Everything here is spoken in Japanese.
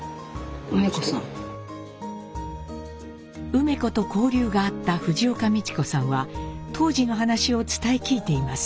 梅子と交流があった藤岡道子さんは当時の話を伝え聞いています。